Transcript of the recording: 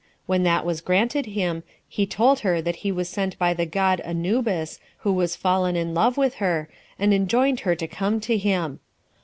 When that was granted him, he told her that he was sent by the god Anubis, who was fallen in love with her, and enjoined her to come to him.